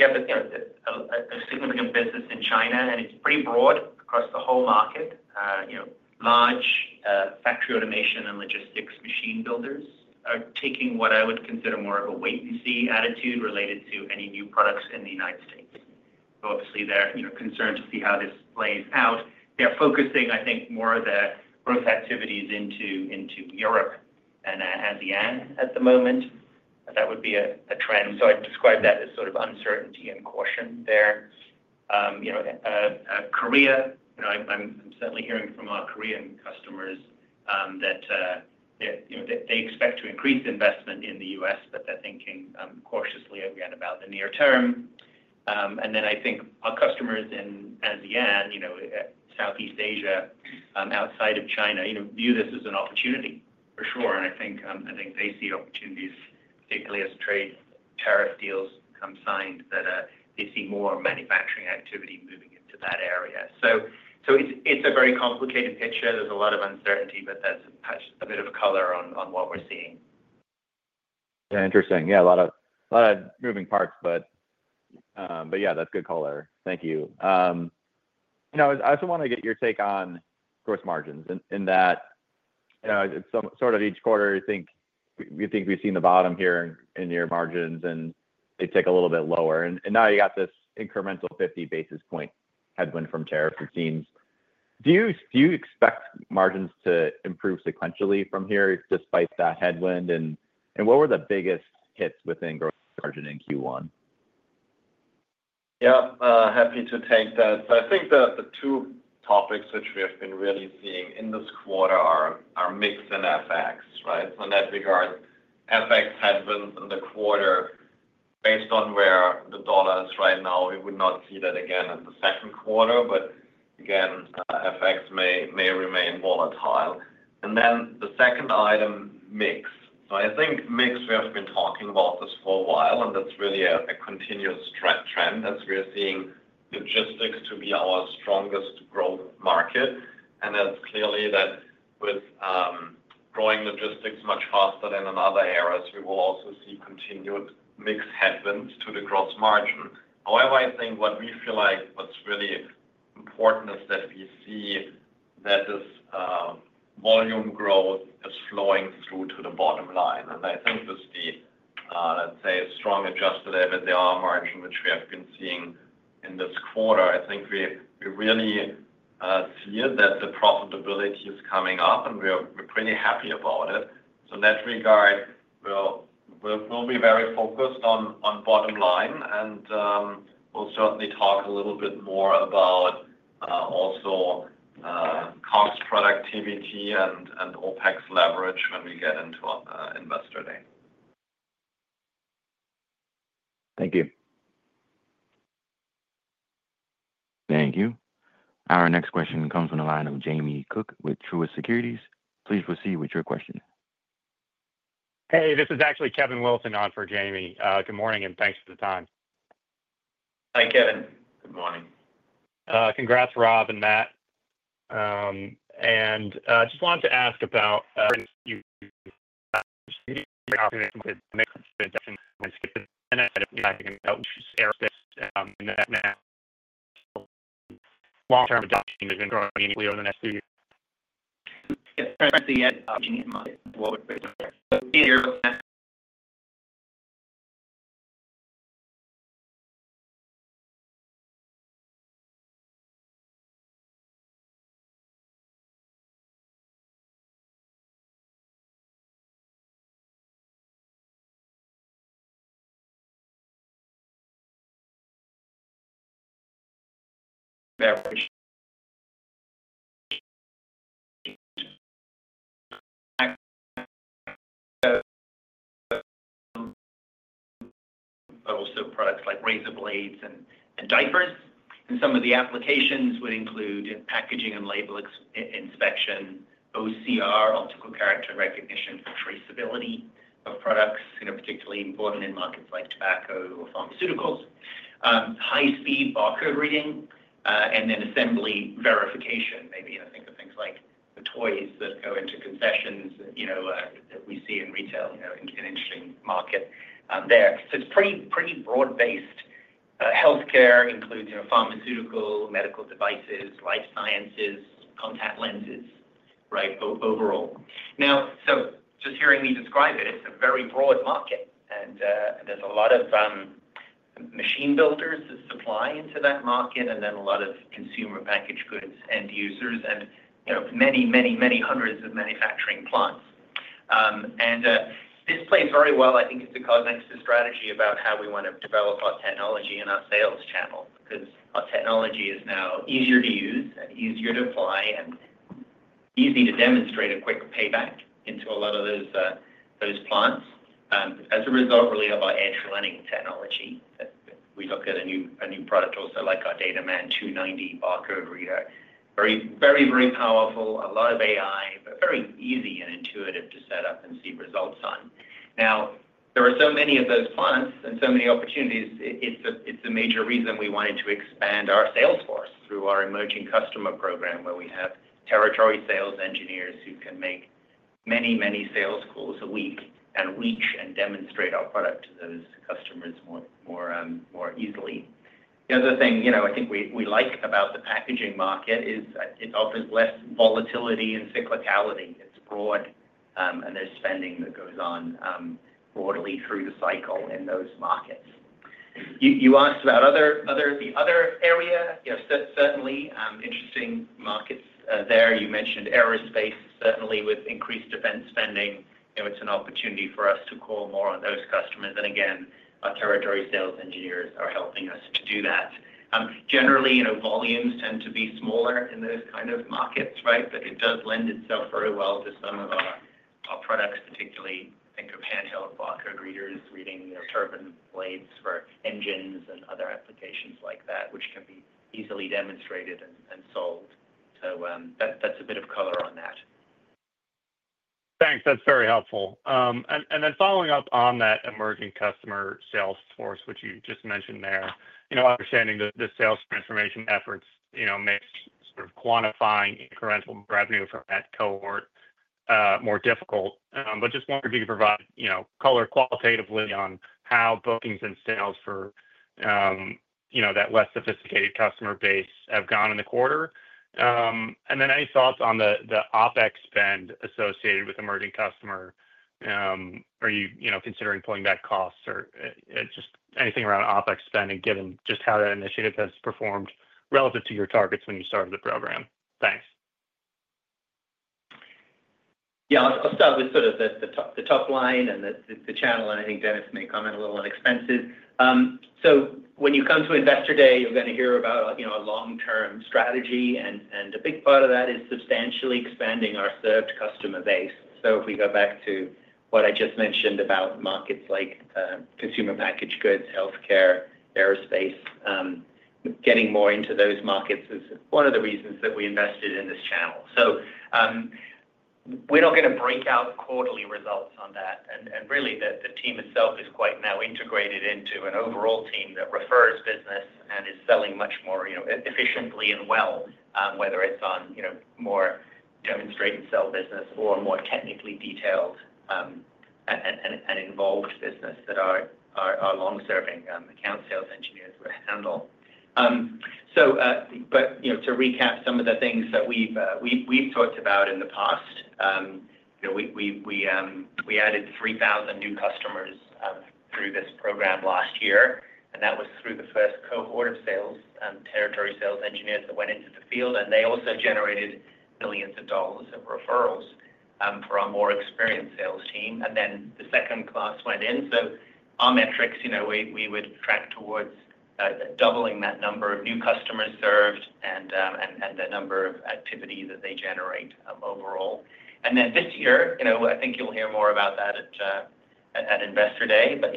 have a significant business in China, and it's pretty broad across the whole market. Large factory automation and logistics machine builders are taking what I would consider more of a wait-and-see attitude related to any new products in the United States. Obviously, they're concerned to see how this plays out. They're focusing, I think, more of their growth activities into Europe and ASEAN at the moment. That would be a trend. I'd describe that as sort of uncertainty and caution there. Korea, I'm certainly hearing from our Korean customers that they expect to increase investment in the U.S., but they're thinking cautiously again about the near term. I think our customers in ASEAN, Southeast Asia, outside of China, view this as an opportunity for sure. I think they see opportunities, particularly as trade tariff deals come signed, that they see more manufacturing activity moving into that area. It's a very complicated picture. There's a lot of uncertainty, but that's a bit of color on what we're seeing. Yeah, interesting. Yeah, a lot of moving parts, but yeah, that's good color. Thank you. I also want to get your take on gross margins in that sort of each quarter, you think we've seen the bottom here in your margins, and they tick a little bit lower. Now you got this incremental 50 basis point headwind from tariffs, it seems. Do you expect margins to improve sequentially from here despite that headwind? What were the biggest hits within gross margin in Q1? Yeah, happy to take that. I think the two topics which we have been really seeing in this quarter are mix and FX, right? In that regard, FX headwinds in the quarter, based on where the dollar is right now, we would not see that again in the second quarter. Again, FX may remain volatile. The second item, mix. I think mix, we have been talking about this for a while, and that's really a continuous trend as we're seeing logistics to be our strongest growth market. It's clearly that with growing logistics much faster than in other areas, we will also see continued mix headwinds to the gross margin. However, I think what we feel like what's really important is that we see that this volume growth is flowing through to the bottom line. I think with the, let's say, strong adjusted EBITDA margin, which we have been seeing in this quarter, I think we really see that the profitability is coming up, and we're pretty happy about it. In that regard, we'll be very focused on bottom line, and we'll certainly talk a little bit more about also cost productivity and OpEx leverage when we get into Investor Day. Thank you. Thank you. Our next question comes from the line of Jamie Cook with Truist Securities. Please proceed with your question. Hey, this is actually Kevin Wilson on for Jamie. Good morning and thanks for the time. Hi, Kevin. Good morning. Congrats, Rob and Matt. I just wanted to ask about, Products like razor blades and diapers, and some of the applications would include packaging and label inspection, OCR, Optical Character Recognition for traceability of products, particularly important in markets like tobacco or pharmaceuticals. High-speed barcode reading and then assembly verification, maybe. I think of things like the toys that go into concessions that we see in retail in an interesting market there. It is pretty broad-based. Healthcare includes pharmaceutical, medical devices, life sciences, contact lenses, right, overall. Now, just hearing me describe it, it's a very broad market, and there's a lot of machine builders that supply into that market, and then a lot of consumer packaged goods end users, and many, many, many hundreds of manufacturing plants. This plays very well, I think, as it goes into strategy about how we want to develop our technology and our sales channel because our technology is now easier to use and easier to apply and easy to demonstrate a quick payback into a lot of those plants. As a result, really, of our edge running technology, we look at a new product also like our DataMan 290 barcode reader. Very, very, very powerful, a lot of AI, but very easy and intuitive to set up and see results on. Now, there are so many of those plants and so many opportunities, it's a major reason we wanted to expand our sales force through our emerging customer program where we have territory sales engineers who can make many, many sales calls a week and reach and demonstrate our product to those customers more easily. The other thing I think we like about the packaging market is it offers less volatility and cyclicality. It's broad, and there's spending that goes on broadly through the cycle in those markets. You asked about the other area, certainly interesting markets there. You mentioned aerospace, certainly with increased defense spending. It's an opportunity for us to call more on those customers. Again, our territory sales engineers are helping us to do that. Generally, volumes tend to be smaller in those kind of markets, right? It does lend itself very well to some of our products, particularly I think of handheld barcode readers, reading turbine blades for engines and other applications like that, which can be easily demonstrated and sold. That's a bit of color on that. Thanks. That's very helpful. Following up on that emerging customer sales force, which you just mentioned there, understanding the sales transformation efforts makes sort of quantifying incremental revenue from that cohort more difficult. Just wondering if you could provide color qualitatively on how bookings and sales for that less sophisticated customer base have gone in the quarter. Any thoughts on the OpEx spend associated with emerging customer? Are you considering pulling back costs or just anything around OpEx spending given just how that initiative has performed relative to your targets when you started the program? Thanks. Yeah, I'll start with sort of the top line and the channel, and I think Dennis may comment a little on expenses. When you come Investor Day, you're going to hear about a long-term strategy, and a big part of that is substantially expanding our served customer base. If we go back to what I just mentioned about markets like consumer packaged goods, healthcare, aerospace, getting more into those markets is one of the reasons that we invested in this channel. We're not going to break out quarterly results on that. Really, the team itself is quite now integrated into an overall team that refers business and is selling much more efficiently and well, whether it's on more demonstrate-and-sell business or more technically detailed and involved business that our long-serving account sales engineers will handle. To recap some of the things that we've talked about in the past, we added 3,000 new customers through this program last year, and that was through the first cohort of sales and territory sales engineers that went into the field. They also generated millions of dollars of referrals for our more experienced sales team. The second class went in. Our metrics, we would track towards doubling that number of new customers served and the number of activity that they generate overall. This year, I think you'll hear more about that Investor Day, but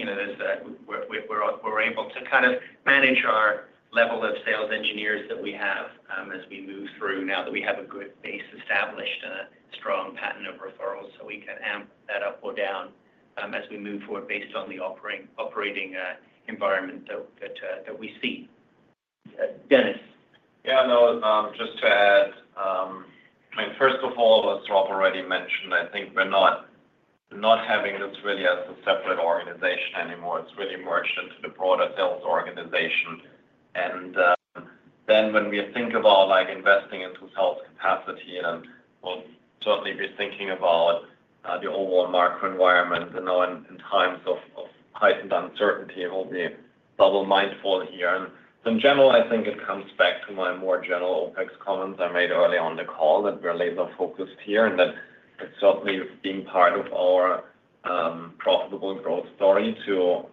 we're able to kind of manage our level of sales engineers that we have as we move through now that we have a good base established and a strong pattern of referrals. We can amp that up or down as we move forward based on the operating environment that we see. Dennis. Yeah, no, just to add, I mean, first of all, as Rob already mentioned, I think we're not having this really as a separate organization anymore. It's really merged into the broader sales organization. When we think about investing into sales capacity, and we'll certainly be thinking about the overall macro environment in times of heightened uncertainty, we'll be double mindful here. In general, I think it comes back to my more general OpEx comments I made early on the call that we're laser-focused here and that it's certainly being part of our profitable growth story to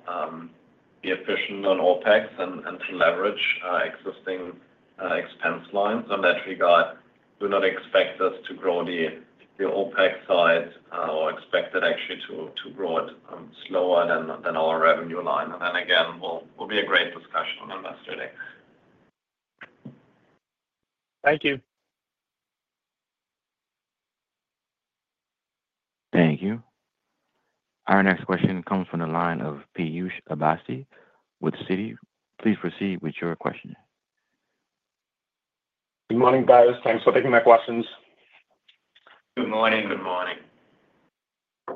be efficient on OpEx and to leverage existing expense lines. In that regard, do not expect us to grow the OpEx side or expect it actually to grow slower than our revenue line. Again, we'll be a great discussion on Investor Day. Thank you. Thank you. Our next question comes from the line of Piyush Avasthy with Citi. Please proceed with your question. Good morning, guys. Thanks for taking my questions. Good morning. Good morning.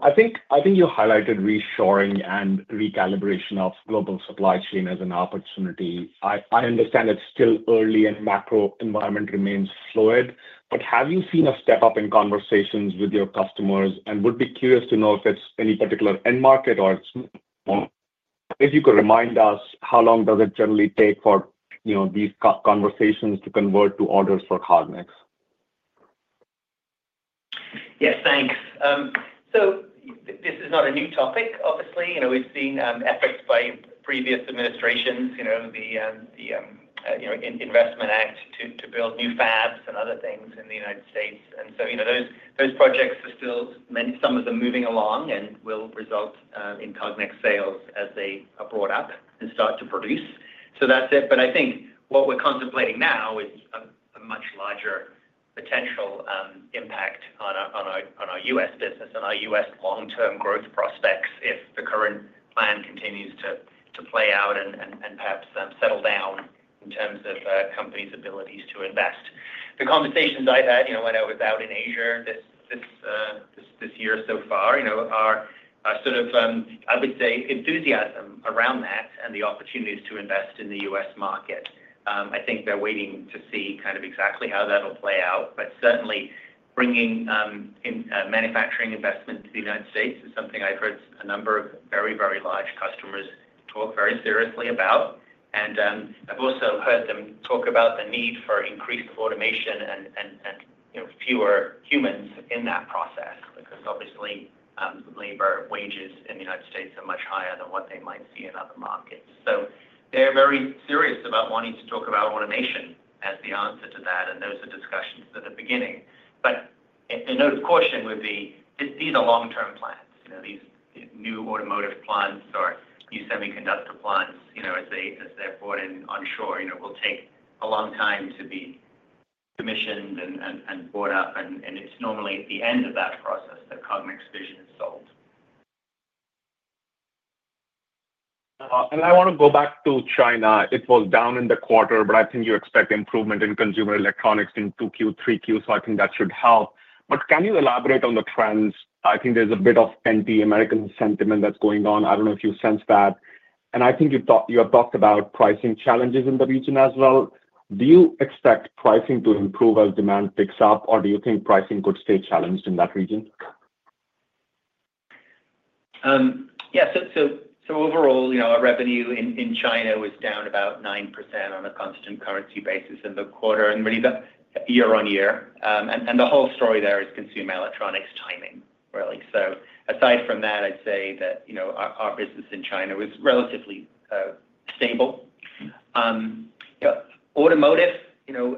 I think you highlighted reshoring and recalibration of global supply chain as an opportunity. I understand it's still early and macro environment remains fluid. Have you seen a step-up in conversations with your customers? I would be curious to know if it's any particular end market or if you could remind us, how long does it generally take for these conversations to convert to orders for Cognex? Yes, thanks. This is not a new topic, obviously. We've seen efforts by previous administrations, the Investment Act to build new fabs and other things in the United States. Those projects are still, some of them, moving along and will result in Cognex sales as they are brought up and start to produce. That's it. I think what we're contemplating now is a much larger potential impact on our U.S. business and our U.S. long-term growth prospects if the current plan continues to play out and perhaps settle down in terms of companies' abilities to invest. The conversations I've had when I was out in Asia this year so far are sort of, I would say, enthusiasm around that and the opportunities to invest in the U.S. market. I think they're waiting to see kind of exactly how that'll play out. Certainly, bringing manufacturing investment to the United States is something I've heard a number of very, very large customers talk very seriously about. I've also heard them talk about the need for increased automation and fewer humans in that process because obviously, labor wages in the United States are much higher than what they might see in other markets. They are very serious about wanting to talk about automation as the answer to that, and those are discussions at the beginning. A note of caution would be these are long-term plans. These new automotive plants or new semiconductor plants, as they're brought in onshore, will take a long time to be commissioned and brought up. It is normally at the end of that process that Cognex's vision is sold. I want to go back to China. It was down in the quarter, but I think you expect improvement in consumer electronics in 2Q, 3Q, so I think that should help. Can you elaborate on the trends? I think there is a bit of anti-American sentiment that is going on. I do not know if you sense that. I think you have talked about pricing challenges in the region as well. Do you expect pricing to improve as demand picks up, or do you think pricing could stay challenged in that region? Yeah. Overall, our revenue in China was down about 9% on a constant currency basis in the quarter and really year-on-year. The whole story there is consumer electronics timing, really. Aside from that, I'd say that our business in China was relatively stable. Automotive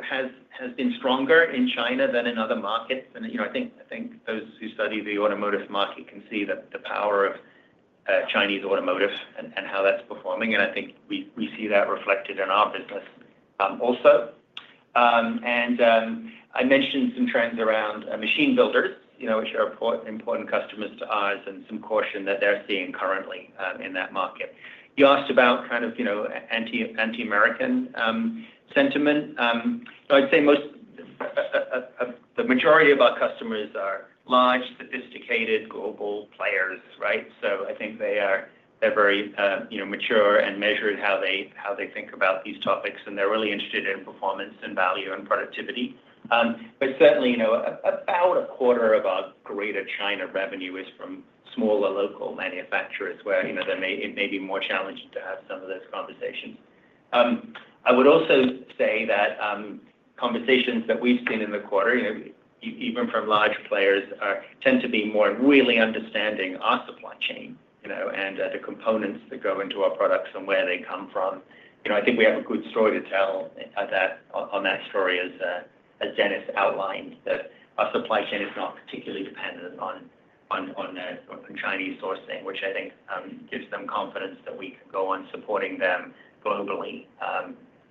has been stronger in China than in other markets. I think those who study the automotive market can see the power of Chinese automotive and how that's performing. I think we see that reflected in our business also. I mentioned some trends around machine builders, which are important customers to us, and some caution that they're seeing currently in that market. You asked about kind of anti-American sentiment. I'd say the majority of our customers are large, sophisticated, global players, right? I think they're very mature and measured how they think about these topics, and they're really interested in performance and value and productivity. Certainly, about a quarter of our Greater China revenue is from smaller local manufacturers where it may be more challenging to have some of those conversations. I would also say that conversations that we've seen in the quarter, even from large players, tend to be more really understanding our supply chain and the components that go into our products and where they come from. I think we have a good story to tell on that story as Dennis outlined that our supply chain is not particularly dependent on Chinese sourcing, which I think gives them confidence that we can go on supporting them globally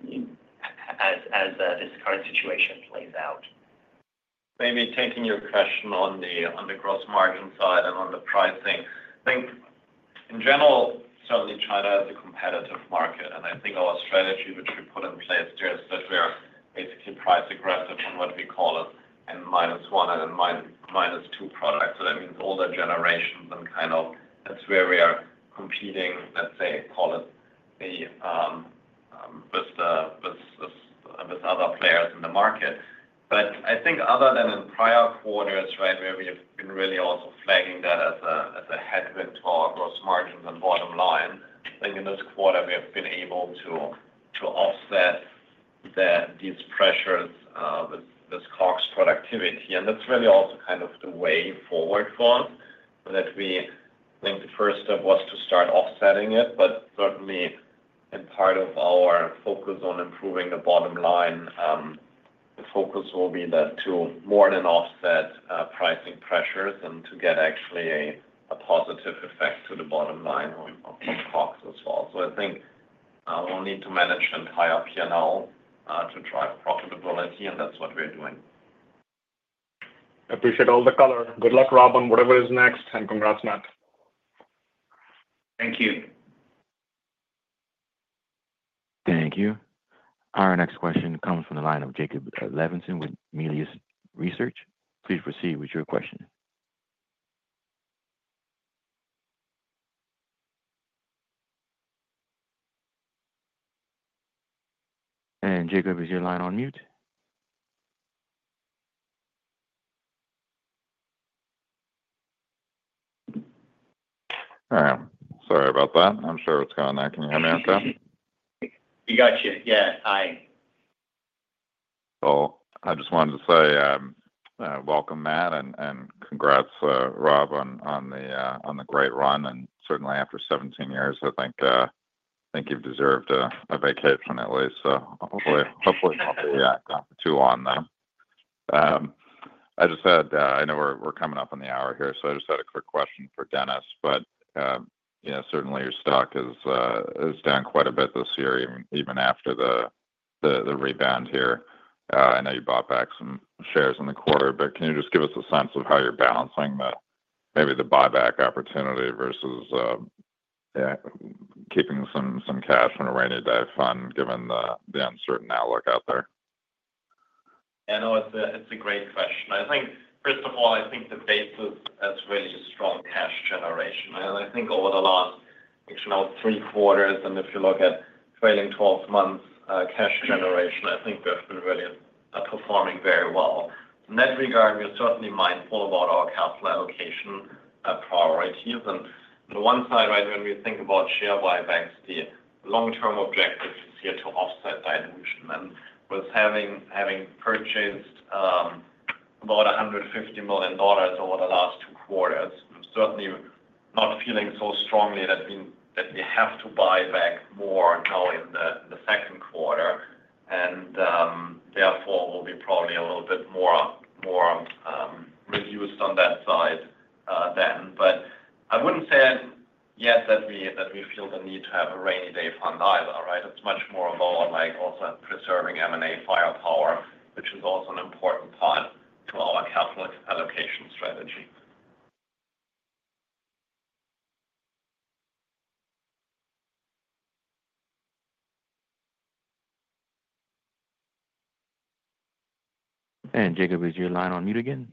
as this current situation plays out. Maybe taking your question on the gross margin side and on the pricing, I think in general, certainly China is a competitive market. I think our strategy, which we put in place, is that we're basically price aggressive on what we call a minus one and a minus two product. That means older generations and kind of that's where we are competing, let's say, call it with other players in the market. I think other than in prior quarters, right, where we have been really also flagging that as a headwind to our gross margins and bottom line, I think in this quarter, we have been able to offset these pressures with Cognex productivity. That's really also kind of the way forward for us that we think the first step was to start offsetting it. Certainly, in part of our focus on improving the bottom line, the focus will be to more than offset pricing pressures and to get actually a positive effect to the bottom line on Cognex as well. I think we'll need to manage and tie up here now to drive profitability, and that's what we're doing. I appreciate all the color. Good luck, Rob, on whatever is next, and congrats, Matt. Thank you. Thank you. Our next question comes from the line of Jacob Levinson with Melius Research. Please proceed with your question. Jacob, is your line on mute? Sorry about that. I'm sure it's going on. Can you hear me okay? You got you. Yeah. Hi. I just wanted to say welcome, Matt, and congrats, Rob, on the great run. Certainly, after 17 years, I think you've deserved a vacation at least. Hopefully, not too long now. I know we're coming up on the hour here, so I just had a quick question for Dennis. Certainly, your stock is down quite a bit this year, even after the rebound here. I know you bought back some shares in the quarter, but can you just give us a sense of how you're balancing maybe the buyback opportunity versus keeping some cash on a rainy day fund given the uncertain outlook out there? Yeah, no, it's a great question. I think, first of all, I think the base is really strong cash generation. I think over the last, actually, now, three quarters, and if you look at trailing 12 months cash generation, I think we have been really performing very well. In that regard, we're certainly mindful about our capital allocation priorities. On the one side, right, when we think about share buybacks, the long-term objective is here to offset dilution. With having purchased about $150 million over the last two quarters, certainly not feeling so strongly that we have to buy back more now in the second quarter. Therefore, we'll be probably a little bit more reduced on that side then. I wouldn't say yet that we feel the need to have a rainy day fund either, right? It's much more about also preserving M&A firepower, which is also an important part to our capital allocation strategy. Jacob, is your line on mute again?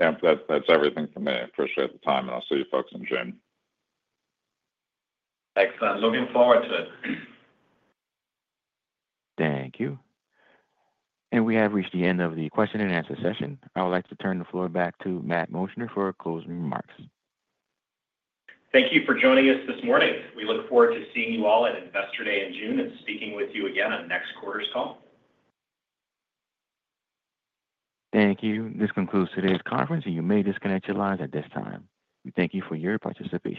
Yeah. That's everything from me. I appreciate the time, and I'll see you folks in June. Excellent. Looking forward to it. Thank you. We have reached the end of the question and answer session. I would like to turn the floor back to Matt Moschner for closing remarks. Thank you for joining us this morning. We look forward to seeing you all Investor Day in June and speaking with you again on next quarter's call. Thank you. This concludes today's conference, and you may disconnect your lines at this time. We thank you for your participation.